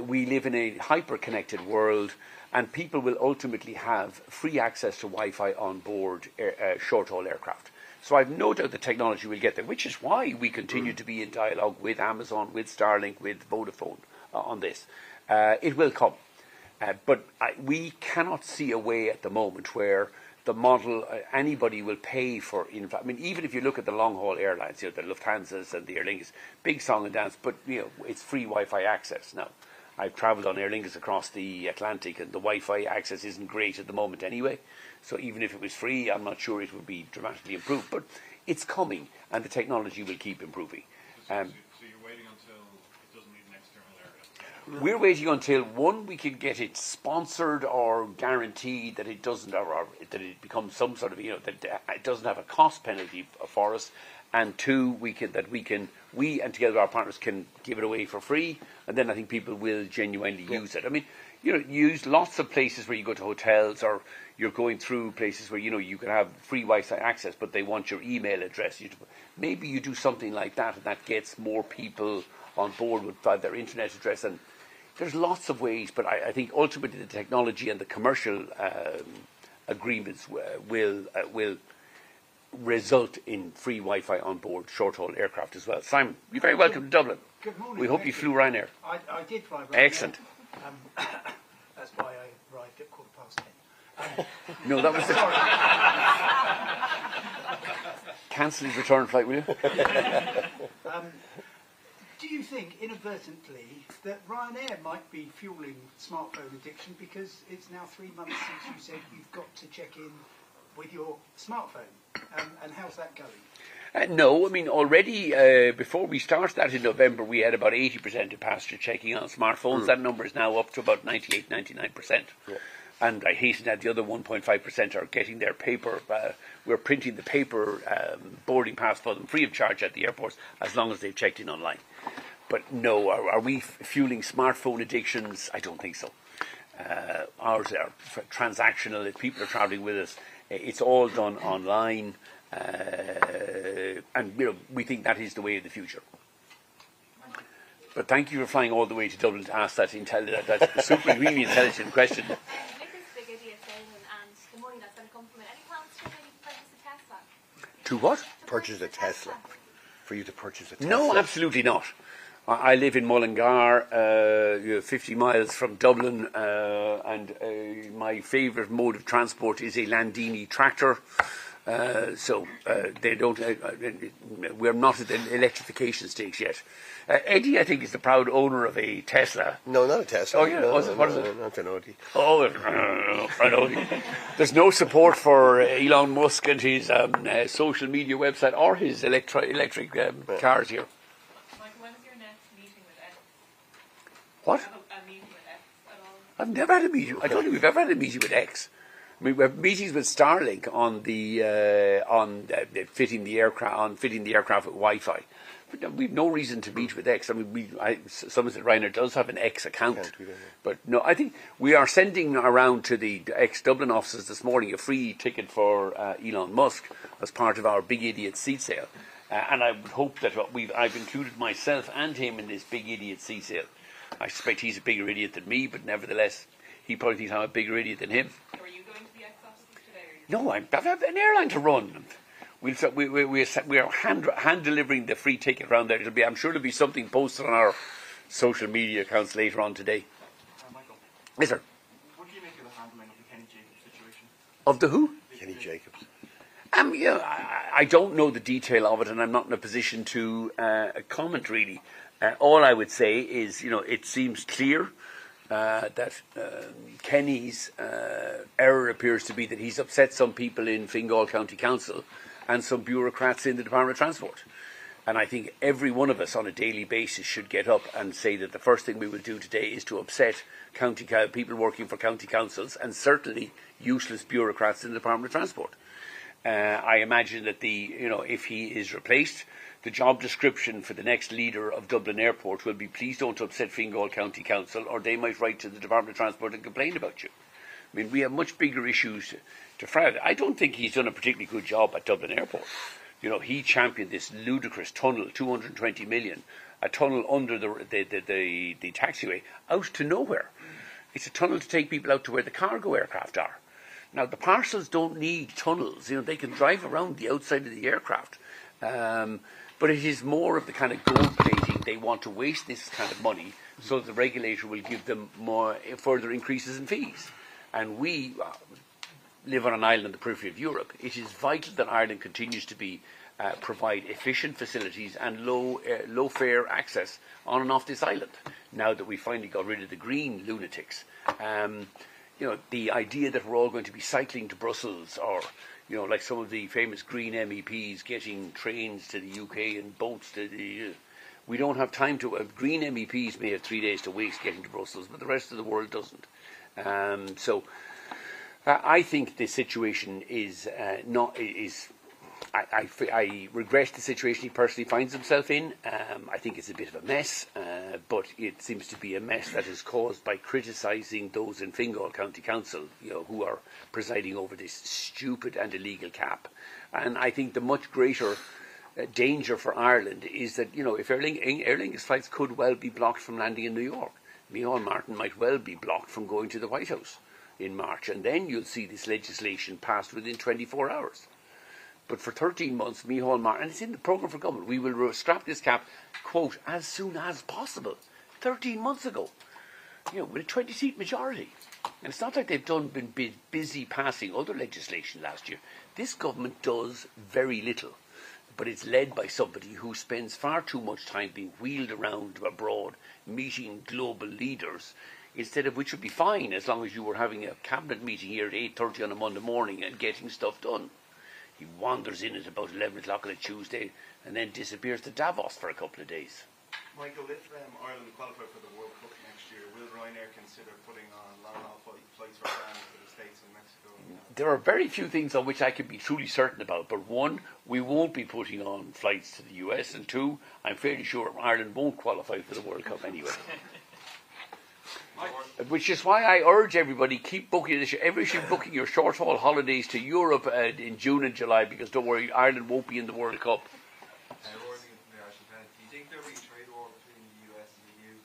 We live in a hyper-connected world, and people will ultimately have free access to Wi-Fi on board short-haul aircraft. I have no doubt the technology will get there, which is why we continue to be in dialogue with Amazon, with Starlink, with Vodafone on this. It will come. We cannot see a way at the moment where the model anybody will pay for.
I mean, even if you look at the long-haul airlines, you know, the Lufthansas and the Aer Lingus, big song and dance, but you know, it's free Wi-Fi access now. I've traveled on Aer Lingus across the Atlantic, and the Wi-Fi access isn't great at the moment anyway. Even if it was free, I'm not sure it would be dramatically improved. It is coming, and the technology will keep improving.
You're waiting until it doesn't need an external aerial?
We're waiting until one, we can get it sponsored or guaranteed that it doesn't, that it becomes some sort of, you know, that it doesn't have a cost penalty for us. Two, that we can, we and together with our partners can give it away for free. I think people will genuinely use it. I mean, you know, use lots of places where you go to hotels or you're going through places where, you know, you can have free Wi-Fi access, but they want your email address. Maybe you do something like that, and that gets more people on board with their internet address. There are lots of ways, but I think ultimately the technology and the commercial agreements will result in free Wi-Fi on board short-haul aircraft as well. Simon, you're very welcome to Dublin.
Good morning.
We hope you flew Ryanair.
I did fly Ryanair.
Excellent.
That's why I arrived at quarter past 10.
No, that was it. Cancel his return flight, will you?
Do you think inadvertently that Ryanair might be fueling smartphone addiction because it's now three months since you said you've got to check in with your smartphone? How's that going?
No, I mean, already before we started that in November, we had about 80% of passengers checking out smartphones. That number is now up to about 98%-99%. I hasten to add the other 1.5% are getting their paper. We are printing the paper boarding pass for them free of charge at the airports as long as they have checked in online. No, are we fueling smartphone addictions? I do not think so. Ours are transactional. If people are traveling with us, it is all done online. You know, we think that is the way of the future. Thank you for flying all the way to Dublin to ask that super really intelligent question.
This is Begley at Dublin. Good morning. I've got a compliment. Any plans to maybe purchase a Tesla?
To what? Purchase a Tesla. For you to purchase a Tesla? No, absolutely not. I live in Mullingar, 50 mi from Dublin. And my favorite mode of transport is a Landini tractor. So we're not at the electrification stage yet. Eddie, I think, is the proud owner of a Tesla.
No, not a Tesla.
Oh, yeah.
What is it?
There's no support for Elon Musk and his social media website or his electric cars here.
Michael, when is your next meeting with X?
What?
A meeting with X at all?
I've never had a meeting. I don't think we've ever had a meeting with X. I mean, we've had meetings with Starlink on fitting the aircraft with Wi-Fi. We've no reason to meet with X. I mean, someone said Ryanair does have an X account. I think we are sending around to the ex-Dublin offices this morning a free ticket for Elon Musk as part of our Big Idiot Seat Sale. I would hope that I've included myself and him in this Big Idiot Seat Sale. I suspect he's a bigger idiot than me, nevertheless, he probably thinks I'm a bigger idiot than him.
Are you going to the X office today or no?
No, I've an airline to run. We are hand-delivering the free ticket around there. I'm sure there'll be something posted on our social media accounts later on today.
Michael.
Yes, sir.
What do you make of the handling of the Kenny Jacobs situation?
Of the who?
Kenny Jacobs.
I don't know the detail of it, and I'm not in a position to comment, really. All I would say is, you know, it seems clear that Kenny's error appears to be that he's upset some people in Fingal County Council and some bureaucrats in the Department of Transport. I think every one of us on a daily basis should get up and say that the first thing we will do today is to upset people working for county councils and certainly useless bureaucrats in the Department of Transport. I imagine that the, you know, if he is replaced, the job description for the next leader of Dublin Airport will be, please don't upset Fingal County Council, or they might write to the Department of Transport and complain about you. I mean, we have much bigger issues to fight.
I don't think he's done a particularly good job at Dublin Airport. You know, he championed this ludicrous tunnel, 220 million, a tunnel under the taxiway, out to nowhere. It's a tunnel to take people out to where the cargo aircraft are. Now, the parcels don't need tunnels. You know, they can drive around the outside of the aircraft. It is more of the kind of gold plating. They want to waste this kind of money so that the regulator will give them more further increases in fees. We live on an island in the periphery of Europe. It is vital that Ireland continues to provide efficient facilities and low-fare access on and off this island now that we finally got rid of the green lunatics. You know, the idea that we're all going to be cycling to Brussels or, you know, like some of the famous green MEPs getting trains to the U.K. and boats to the U.K. We don't have time to have green MEPs may have three days to waste getting to Brussels, but the rest of the world doesn't. I think this situation is not, I regret the situation he personally finds himself in. I think it's a bit of a mess, but it seems to be a mess that is caused by criticizing those in Fingal County Council, you know, who are presiding over this stupid and illegal cap. I think the much greater danger for Ireland is that, you know, if Aer Lingus flights could well be blocked from landing in New York, Micheál Martin might well be blocked from going to the White House in March. You will see this legislation passed within 24 hours. For 13 months, Micheál Martin, and it's in the program for government, we will scrap this cap, quote, as soon as possible. Thirteen months ago, you know, with a 20-seat majority. It's not like they've been busy passing other legislation last year. This government does very little, but it's led by somebody who spends far too much time being wheeled around abroad, meeting global leaders, which would be fine as long as you were having a cabinet meeting here at 8:30 A.M. on a Monday morning and getting stuff done. He wanders in at about 11:00 A.M. on a Tuesday and then disappears to Davos for a couple of days.
Michael, if Ireland qualified for the World Cup next year, will Ryanair consider putting on flights for the States and Mexico?
There are very few things on which I could be truly certain about. One, we won't be putting on flights to the US. Two, I'm fairly sure Ireland won't qualify for the World Cup anyway. Which is why I urge everybody, keep booking, everybody should be booking your short-haul holidays to Europe in June and July because don't worry, Ireland won't be in the World Cup.
Do you think there'll be a trade war between the U.S. and the EU?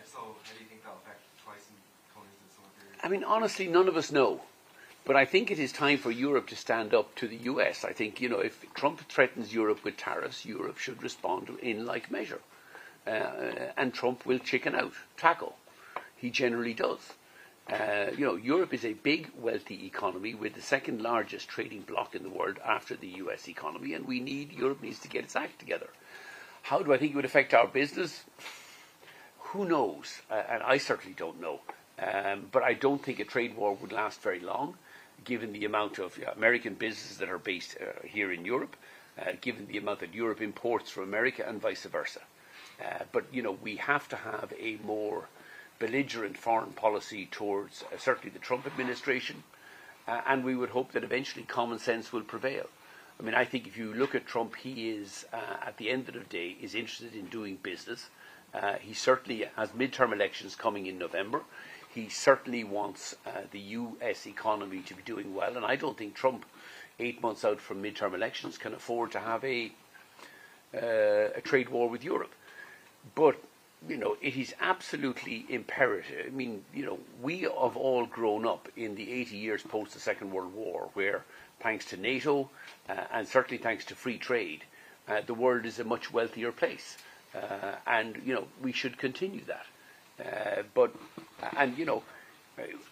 If so, how do you think that'll affect price and costs and so on?
I mean, honestly, none of us know. I think it is time for Europe to stand up to the U.S. I think, you know, if Trump threatens Europe with tariffs, Europe should respond in like measure. Trump will chicken out, tackle. He generally does. You know, Europe is a big wealthy economy with the second largest trading bloc in the world after the U.S. economy, and we need, Europe needs to get its act together. How do I think it would affect our business? Who knows? I certainly do not know. I do not think a trade war would last very long given the amount of American businesses that are based here in Europe, given the amount that Europe imports from America and vice versa. You know, we have to have a more belligerent foreign policy towards certainly the Trump administration.
We would hope that eventually common sense will prevail. I mean, I think if you look at Trump, he is, at the end of the day, interested in doing business. He certainly has midterm elections coming in November. He certainly wants the U.S. economy to be doing well. I do not think Trump, eight months out from midterm elections, can afford to have a trade war with Europe. You know, it is absolutely imperative. I mean, you know, we have all grown up in the 80 years post the Second World War where, thanks to NATO and certainly thanks to free trade, the world is a much wealthier place. You know, we should continue that.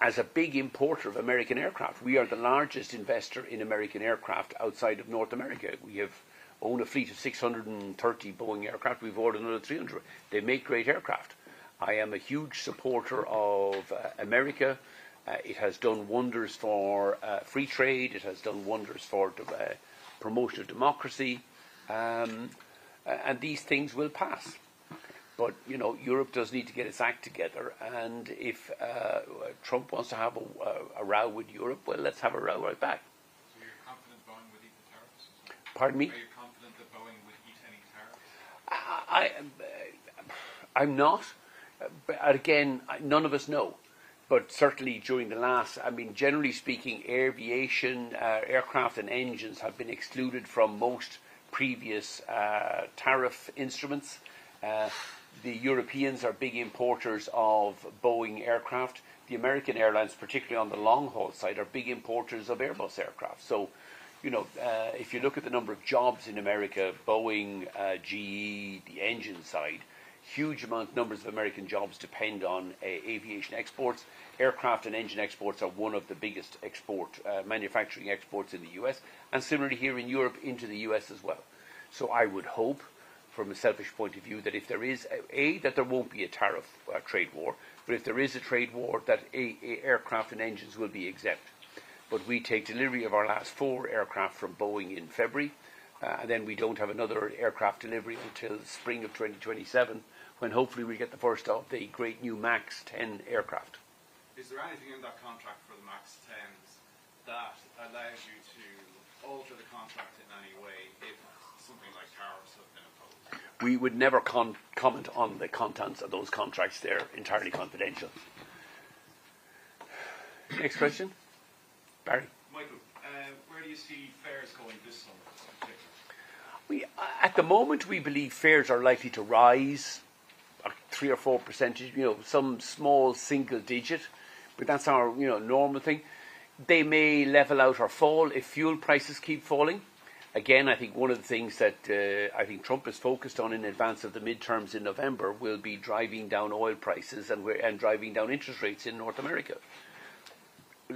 As a big importer of American aircraft, we are the largest investor in American aircraft outside of North America. We have owned a fleet of 630 Boeing aircraft. We've ordered another 300. They make great aircraft. I am a huge supporter of America. It has done wonders for free trade. It has done wonders for the promotion of democracy. These things will pass. You know, Europe does need to get its act together. If Trump wants to have a row with Europe, let's have a row right back.
Are you confident Boeing would eat the tariffs?
Pardon me?
Are you confident that Boeing would eat any tariffs?
I'm not. Again, none of us know. Certainly during the last, I mean, generally speaking, aviation, aircraft and engines have been excluded from most previous tariff instruments. The Europeans are big importers of Boeing aircraft. The American airlines, particularly on the long-haul side, are big importers of Airbus aircraft. You know, if you look at the number of jobs in America, Boeing, GE, the engine side, huge numbers of American jobs depend on aviation exports. Aircraft and engine exports are one of the biggest export manufacturing exports in the U.S. Similarly here in Europe into the U.S. as well. I would hope from a selfish point of view that if there is, A, that there won't be a tariff trade war. If there is a trade war, aircraft and engines will be exempt.
We take delivery of our last four aircraft from Boeing in February. We do not have another aircraft delivery until spring of 2027 when hopefully we get the first of the great new MAX 10 aircraft.
Is there anything in that contract for the MAX 10s that allows you to alter the contract in any way if something like tariffs have been imposed?
We would never comment on the contents of those contracts. They're entirely confidential. Next question.
Michael, where do you see fares going this summer?
At the moment, we believe fares are likely to rise 3% or 4%, you know, some small single digit. But that's our, you know, normal thing. They may level out or fall if fuel prices keep falling. Again, I think one of the things that I think Trump has focused on in advance of the midterms in November will be driving down oil prices and driving down interest rates in North America.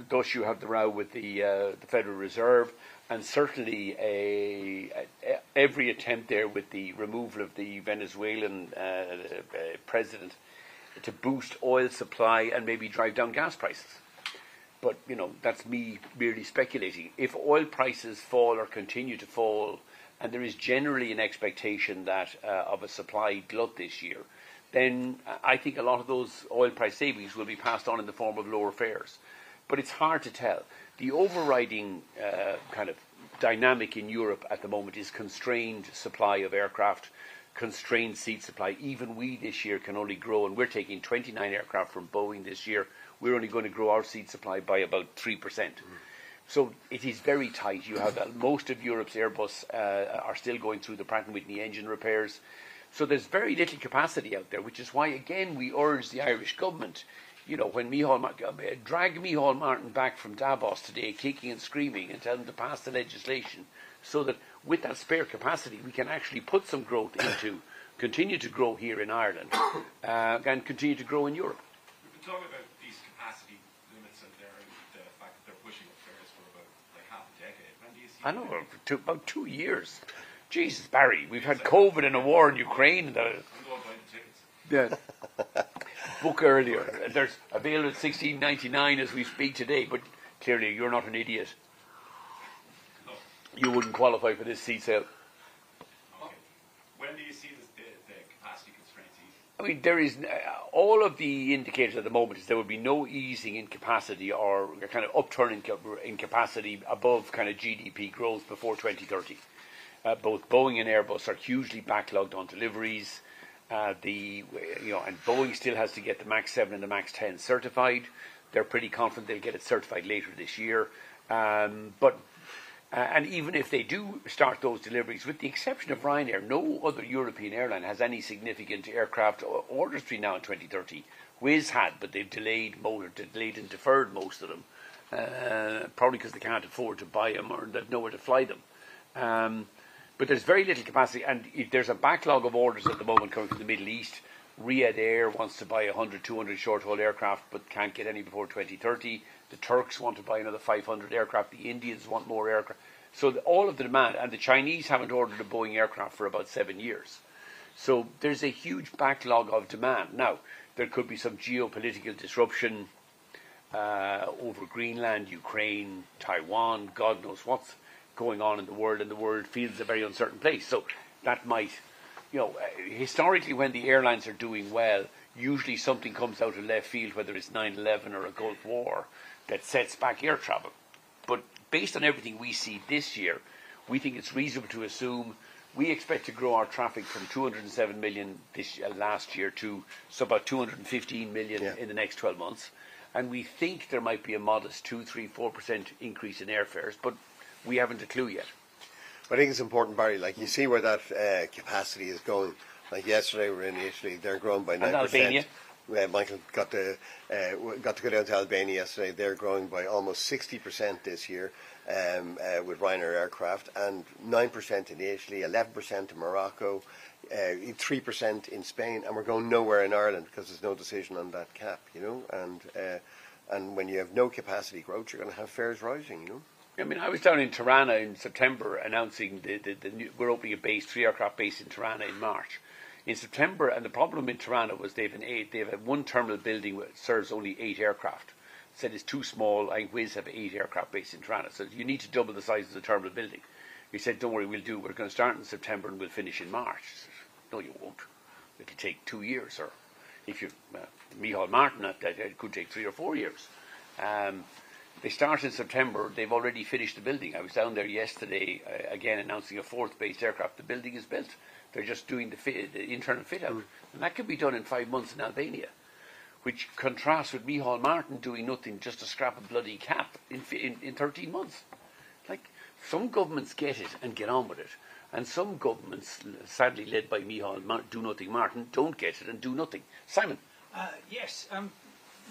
Thus, you have the row with the Federal Reserve. And certainly every attempt there with the removal of the Venezuelan president to boost oil supply and maybe drive down gas prices. But, you know, that's me merely speculating.
If oil prices fall or continue to fall, and there is generally an expectation of a supply glut this year, I think a lot of those oil price savings will be passed on in the form of lower fares. It is hard to tell. The overriding kind of dynamic in Europe at the moment is constrained supply of aircraft, constrained seat supply. Even we this year can only grow, and we're taking 29 aircraft from Boeing this year. We're only going to grow our seat supply by about 3%. It is very tight. You have most of Europe's Airbus are still going through the Pratt & Whitney engine repairs. There is very little capacity out there, which is why, again, we urge the Irish government, you know, when Micheál Martin, drag Micheál Martin back from Davos today, kicking and screaming and telling them to pass the legislation so that with that spare capacity, we can actually put some growth into continue to grow here in Ireland and continue to grow in Europe.
You can talk about these capacity limits and the fact that they're pushing up fares for about like half a decade. When do you see?
I don't know, about two years. Jesus, Barry, we've had COVID and a war in Ukraine.
I'm going to buy the tickets.
Book earlier. There's available at 16.99 as we speak today. Clearly, you're not an idiot. You wouldn't qualify for this seat sale.
When do you see the capacity constraints eased?
I mean, all of the indicators at the moment is there will be no easing in capacity or kind of upturning of capacity above kind of GDP growth before 2030. Both Boeing and Airbus are hugely backlogged on deliveries. You know, and Boeing still has to get the MAX 7 and the MAX 10 certified. They're pretty confident they'll get it certified later this year. Even if they do start those deliveries, with the exception of Ryanair, no other European airline has any significant aircraft or orders to be now in 2030. Wizz had, but they've delayed most of them, probably because they can't afford to buy them or they have nowhere to fly them. There's very little capacity. There's a backlog of orders at the moment coming from the Middle East.
Riyadh Air wants to buy 100, 200 short-haul aircraft, but can't get any before 2030. The Turks want to buy another 500 aircraft. The Indians want more aircraft. All of the demand, and the Chinese haven't ordered a Boeing aircraft for about seven years. There is a huge backlog of demand. There could be some geopolitical disruption over Greenland, Ukraine, Taiwan, God knows what's going on in the world, and the world feels a very uncertain place. That might, you know, historically, when the airlines are doing well, usually something comes out of left field, whether it's 9/11 or a Gulf War, that sets back air travel. Based on everything we see this year, we think it's reasonable to assume we expect to grow our traffic from 207 million last year to about 215 million in the next 12 months. We think there might be a modest 2%, 3%, 4% increase in airfares, but we have not a clue yet. I think it is important, Barry, like you see where that capacity is going. Like yesterday we were in Italy, they are growing by 9%.
And Albania?
Michael got to go down to Albania yesterday. They're growing by almost 60% this year with Ryanair aircraft and 9% in Italy, 11% in Morocco, 3% in Spain. We're going nowhere in Ireland because there's no decision on that cap, you know. When you have no capacity growth, you're going to have fares rising, you know. I mean, I was down in Tirana in September announcing that we're opening a base, three aircraft base in Tirana in March. In September, the problem in Tirana was they have one terminal building that serves only eight aircraft. Said it's too small. Wizz have eight aircraft based in Tirana. Said you need to double the size of the terminal building. He said, don't worry, we'll do it. We're going to start in September and we'll finish in March. He said, no, you won't. It could take two years, sir.
If you're Micheál Martin, it could take three or four years. They start in September. They've already finished the building. I was down there yesterday again announcing a fourth base aircraft. The building is built. They're just doing the internal fit-out. That could be done in five months in Albania, which contrasts with Micheál Martin doing nothing, just a scrap of bloody cap in 13 months. Like some governments get it and get on with it. Some governments, sadly led by Micheál Martin, do nothing. Martin don't get it and do nothing. Simon.
Yes.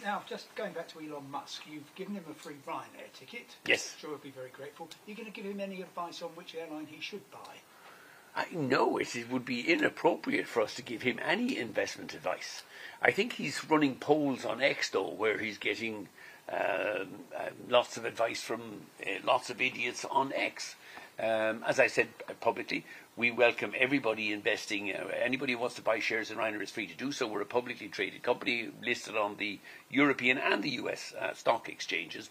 Now, just going back to Elon Musk, you've given him a free Ryanair ticket.
Yes.
I'm sure he'll be very grateful. Are you going to give him any advice on which airline he should buy?
I know it would be inappropriate for us to give him any investment advice. I think he's running polls on X, though, where he's getting lots of advice from lots of idiots on X. As I said publicly, we welcome everybody investing. Anybody who wants to buy shares in Ryanair is free to do so. We're a publicly traded company listed on the European and the US stock exchanges.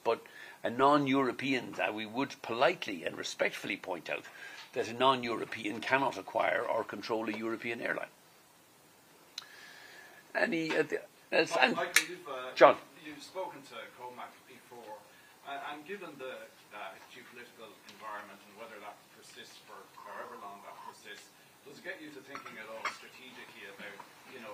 A non-European, we would politely and respectfully point out that a non-European cannot acquire or control a European airline.
Michael, you've spoken to COMAC before. Given the geopolitical environment and whether that persists for however long that persists, does it get you to thinking at all strategically about, you know,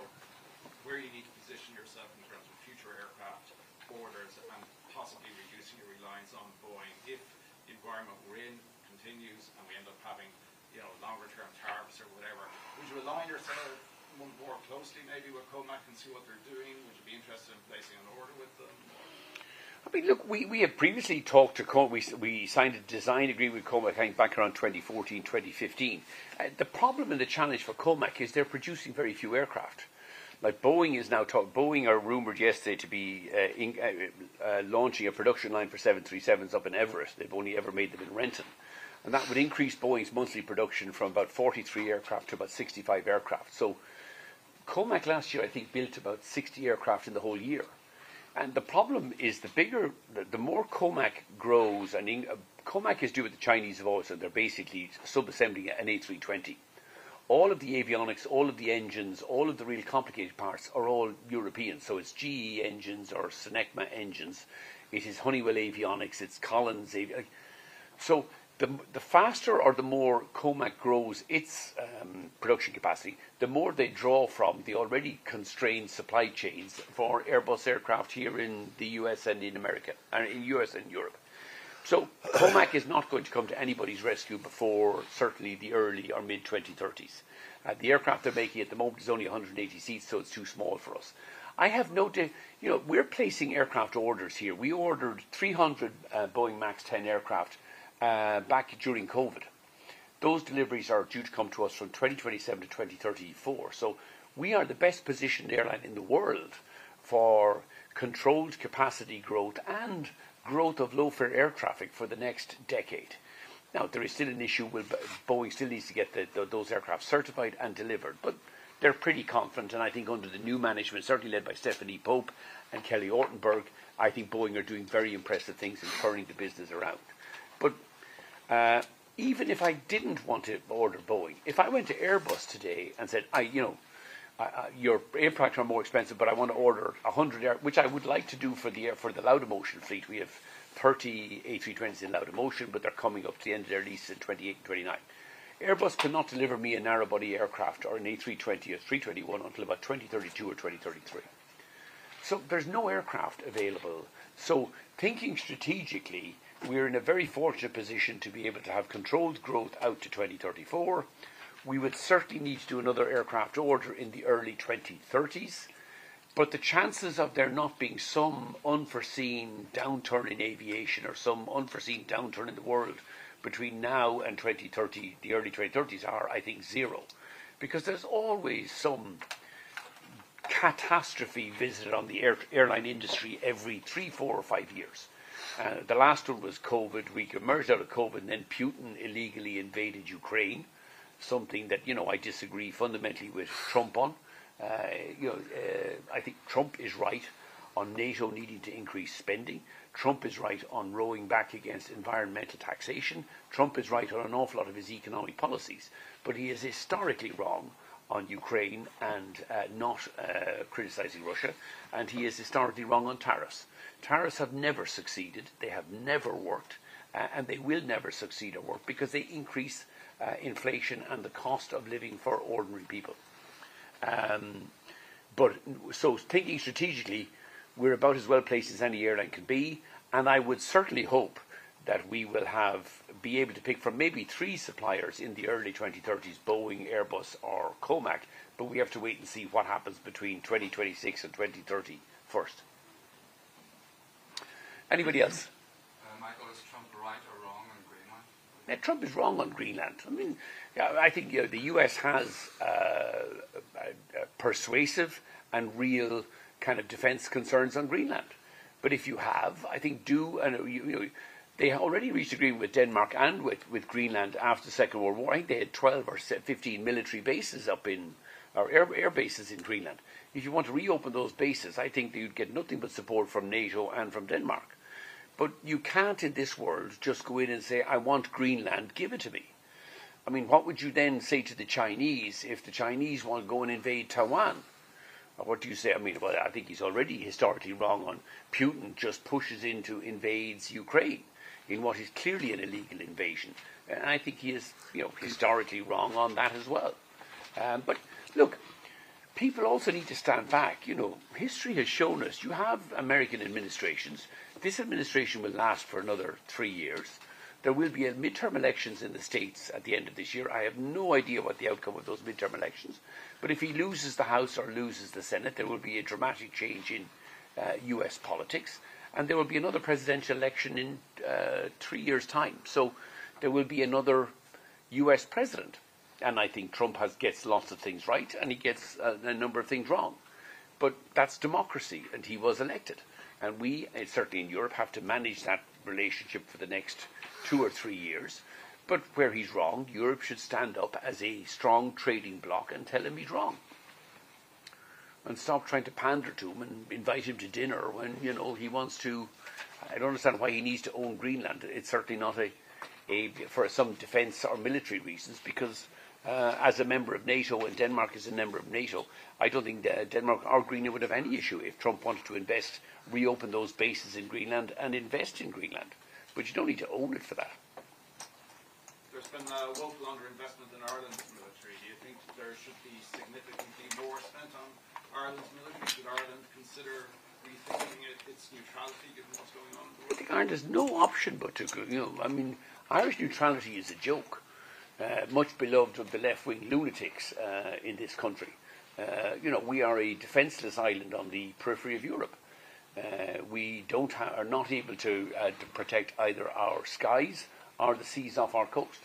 where you need to position yourself in terms of future aircraft orders and possibly reducing your reliance on Boeing if the environment we're in continues and we end up having, you know, longer-term tariffs or whatever? Would you align yourself more closely maybe with COMAC and see what they're doing? Would you be interested in placing an order with them?
I mean, look, we have previously talked to COMAC. We signed a design agreement with COMAC back around 2014, 2015. The problem and the challenge for COMAC is they're producing very few aircraft. Like Boeing is now talking, Boeing are rumored yesterday to be launching a production line for 737s up in Everett. They've only ever made them in Renton. That would increase Boeing's monthly production from about 43 aircraft to about 65 aircraft. COMAC last year, I think, built about 60 aircraft in the whole year. The problem is the bigger, the more COMAC grows, and COMAC is due with the Chinese boys, and they're basically sub-assembling an A320. All of the avionics, all of the engines, all of the real complicated parts are all European. It is GE engines or Safran engines. It is Honeywell avionics. It's Collins avionics.
The faster or the more COMAC grows its production capacity, the more they draw from the already constrained supply chains for Airbus aircraft here in the U.S. and in Europe. COMAC is not going to come to anybody's rescue before certainly the early or mid-2030s. The aircraft they're making at the moment is only 180 seats, so it's too small for us. I have no doubt, you know, we're placing aircraft orders here. We ordered 300 Boeing 737 MAX 10 aircraft back during COVID. Those deliveries are due to come to us from 2027 to 2034. We are the best positioned airline in the world for controlled capacity growth and growth of low-fare air traffic for the next decade. Now, there is still an issue. Boeing still needs to get those aircraft certified and delivered. They're pretty confident. I think under the new management, certainly led by Stephanie Pope and Kelly Ortberg, I think Boeing are doing very impressive things in turning the business around. Even if I did not want to order Boeing, if I went to Airbus today and said, you know, your aircraft are more expensive, but I want to order 100, which I would like to do for the Lauda Europe fleet. We have 30 A320s in Lauda Europe, but they are coming up to the end of their lease in 2028 and 2029. Airbus cannot deliver me a narrow body aircraft or an A320 or 321 until about 2032 or 2033. There is no aircraft available. Thinking strategically, we are in a very fortunate position to be able to have controlled growth out to 2034. We would certainly need to do another aircraft order in the early 2030s. The chances of there not being some unforeseen downturn in aviation or some unforeseen downturn in the world between now and 2030, the early 2030s are, I think, zero. Because there's always some catastrophe visiting on the airline industry every three, four, or five years. The last one was COVID. We emerged out of COVID, and then Putin illegally invaded Ukraine, something that, you know, I disagree fundamentally with Trump on. You know, I think Trump is right on NATO needing to increase spending. Trump is right on rowing back against environmental taxation. Trump is right on an awful lot of his economic policies. He is historically wrong on Ukraine and not criticizing Russia. He is historically wrong on tariffs. Tariffs have never succeeded. They have never worked. They will never succeed at work because they increase inflation and the cost of living for ordinary people. Thinking strategically, we're about as well placed as any airline could be. I would certainly hope that we will be able to pick from maybe three suppliers in the early 2030s, Boeing, Airbus, or COMAC. We have to wait and see what happens between 2026 and 2030 first. Anybody else?
Michael, is Trump right or wrong on Greenland?
Trump is wrong on Greenland. I mean, I think the U.S. has persuasive and real kind of defense concerns on Greenland. If you have, I think do, and they already reached agreement with Denmark and with Greenland after the Second World War. I think they had 12 military or 15 military bases up in or air bases in Greenland. If you want to reopen those bases, I think you'd get nothing but support from NATO and from Denmark. You can't in this world just go in and say, I want Greenland, give it to me. I mean, what would you then say to the Chinese if the Chinese want to go and invade Taiwan? What do you say? I mean, I think he's already historically wrong on Putin just pushes into invades Ukraine in what is clearly an illegal invasion.
I think he is, you know, historically wrong on that as well. Look, people also need to stand back. You know, history has shown us you have American administrations. This administration will last for another three years. There will be midterm elections in the U.S. at the end of this year. I have no idea what the outcome of those midterm elections. If he loses the House or loses the Senate, there will be a dramatic change in U.S. politics. There will be another presidential election in three years' time. There will be another U.S. president. I think Trump gets lots of things right, and he gets a number of things wrong. That's democracy, and he was elected. We, certainly in Europe, have to manage that relationship for the next two or three years. Where he's wrong, Europe should stand up as a strong trading bloc and tell him he's wrong. Stop trying to pander to him and invite him to dinner when, you know, he wants to. I don't understand why he needs to own Greenland. It's certainly not for some defense or military reasons. Because as a member of NATO and Denmark is a member of NATO, I don't think Denmark or Greenland would have any issue if Trump wanted to invest, reopen those bases in Greenland and invest in Greenland. You don't need to own it for that.
There's been a woeful underinvestment in Ireland's military. Do you think there should be significantly more spent on Ireland's military? Should Ireland consider rethinking its neutrality given what's going on?
I think Ireland has no option but to, you know, I mean, Irish neutrality is a joke, much beloved of the left-wing lunatics in this country. You know, we are a defenseless island on the periphery of Europe. We do not have, are not able to protect either our skies or the seas off our coast.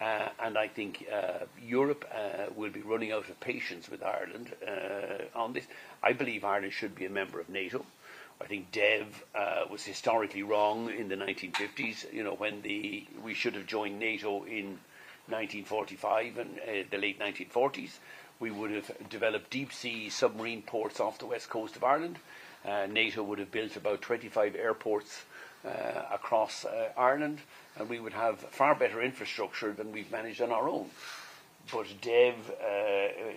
I think Europe will be running out of patience with Ireland on this. I believe Ireland should be a member of NATO. I think Dev was historically wrong in the 1950s, you know, when we should have joined NATO in 1945 and the late 1940s. We would have developed deep-sea submarine ports off the west coast of Ireland. NATO would have built about 25 airports across Ireland. We would have far better infrastructure than we have managed on our own. Dev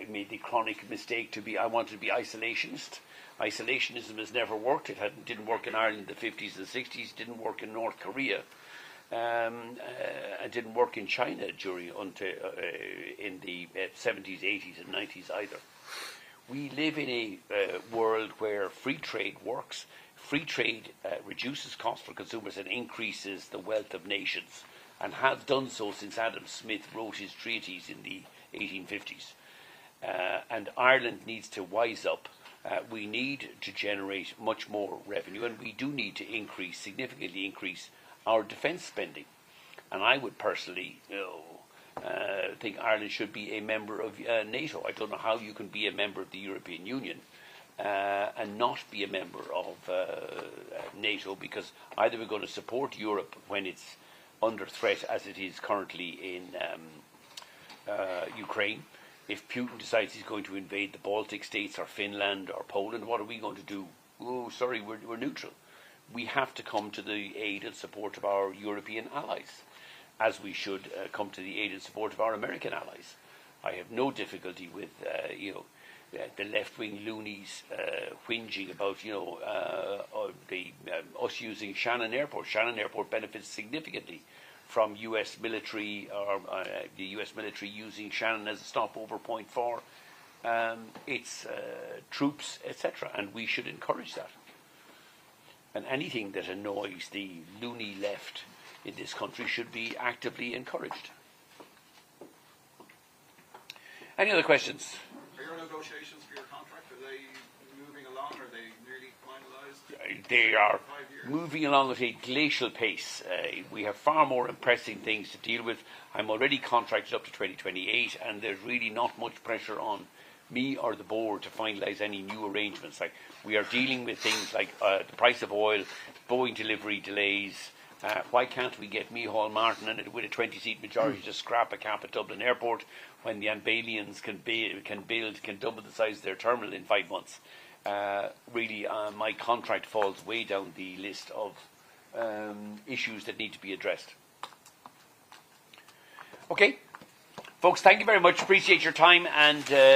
made the chronic mistake to be, I wanted to be isolationist.
Isolationism has never worked. It did not work in Ireland in the 1950s and 1960s. Did not work in North Korea. It did not work in China during the 1970s, 1980s, and 1990s either. We live in a world where free trade works. Free trade reduces costs for consumers and increases the wealth of nations and has done so since Adam Smith wrote his treatise in the 1850s. Ireland needs to wise up. We need to generate much more revenue. We do need to increase, significantly increase our defense spending. I would personally think Ireland should be a member of NATO. I do not know how you can be a member of the European Union and not be a member of NATO because either we are going to support Europe when it is under threat as it is currently in Ukraine. If Putin decides he's going to invade the Baltic states or Finland or Poland, what are we going to do? Oh, sorry, we're neutral. We have to come to the aid and support of our European allies as we should come to the aid and support of our American allies. I have no difficulty with, you know, the left-wing loonies whinging about, you know, us using Shannon Airport. Shannon Airport benefits significantly from US military or the US military using Shannon as a stopover point for its troops, etc. We should encourage that. Anything that annoys the loony left in this country should be actively encouraged. Any other questions?
Are your negotiations for your contract, are they moving along? Are they nearly finalized?
They are moving along at a glacial pace. We have far more impressive things to deal with. I'm already contracted up to 2028, and there's really not much pressure on me or the board to finalize any new arrangements. Like we are dealing with things like the price of oil, Boeing delivery delays. Why can't we get Micheál Martin, and with a 20-seat majority to scrap a cap at Dublin Airport when the Albanians can build, can double the size of their terminal in five months? Really, my contract falls way down the list of issues that need to be addressed. Okay, folks, thank you very much. Appreciate your time and.